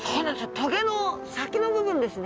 棘の先の部分ですね。